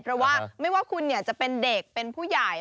เพราะว่าไม่ว่าคุณจะเป็นเด็กเป็นผู้ใหญ่